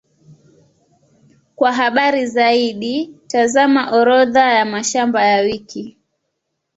Kwa habari zaidi, tazama Orodha ya mashamba ya wiki.